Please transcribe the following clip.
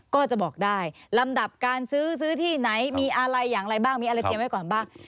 ก็จะบอกได้ลำดับการซื้อซื้อที่ไหนมีอะไรอย่างไรบ้างมีอะไรเตรียมไว้ก่อนบ้าง